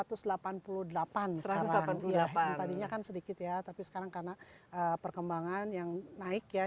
tadinya kan sedikit ya tapi sekarang karena perkembangan yang naik ya